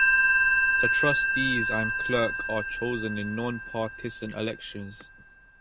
The trustees and clerk are chosen in non-partisan elections.